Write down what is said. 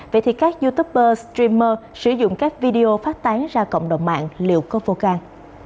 vậy thì các youtuber streamer sử dụng các video phát tán ra cộng đồng mạng liệu có vô can